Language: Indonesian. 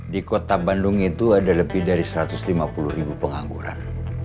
di kota bandung itu ada lebih dari satu ratus lima puluh ribu pengangguran